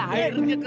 kau mau ngani